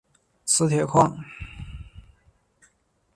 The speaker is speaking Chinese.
磁铁矿。